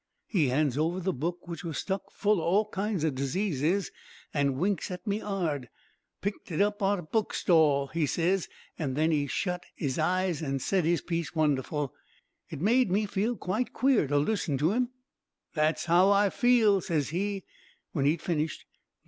"He hands over the book, which was stuck full o' all kinds o' diseases, and winks at me 'ard. "'Picked it up on a book stall,' he ses; then he shut 'is eyes an' said his piece wonderful. It made me quite queer to listen to 'im. That's how I feel,' ses he, when he'd finished.